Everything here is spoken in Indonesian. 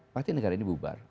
pasti negara ini bubar